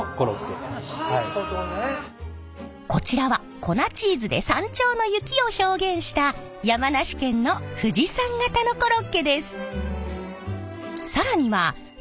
こちらは粉チーズで山頂の雪を表現した山梨県の富士山型のコロッケです。